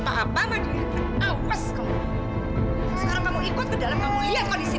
kan masalah juli kita udah serahin sama polisi